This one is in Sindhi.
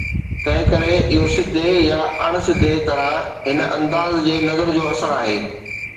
تنهن ڪري اهو سڌي يا اڻ سڌي طرح هن انداز جي نظر جو اثر آهي.